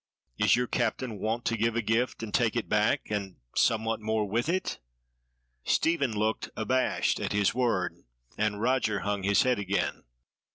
Is your Captain wont to give a gift and take it back...and somewhat more with it?" Stephen looked abashed at his word; and Roger hung his head again.